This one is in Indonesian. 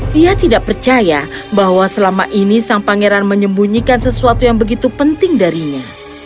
dia tidak percaya bahwa selama ini sang pangeran menyembunyikan sesuatu yang begitu penting darinya